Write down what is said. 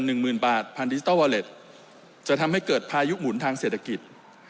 หนึ่งหมื่นบาทพันธดิจิทัลวอเล็ตจะทำให้เกิดพายุหมุนทางเศรษฐกิจ